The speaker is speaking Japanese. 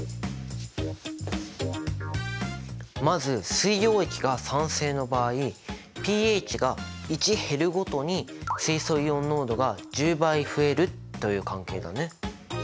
まず水溶液が酸性の場合ｐＨが１減るごとに水素イオン濃度が１０倍増えるという関係だね。